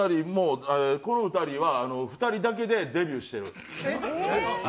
この２人は、２人だけでデビューしてる。